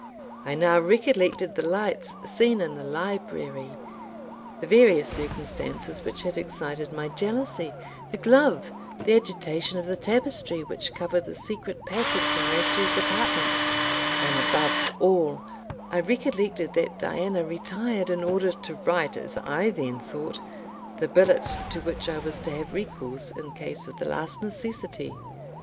I now recollected the lights seen in the library the various circumstances which had excited my jealousy the glove the agitation of the tapestry which covered the secret passage from Rashleigh's apartment; and, above all, I recollected that Diana retired in order to write, as I then thought, the billet to which I was to have recourse in case of the last necessity.